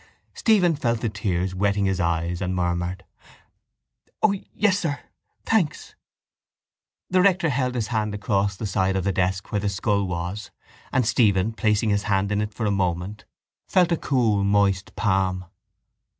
Stephen felt the tears wetting his eyes and murmured: —O yes sir, thanks. The rector held his hand across the side of the desk where the skull was and Stephen, placing his hand in it for a moment, felt a cool moist palm.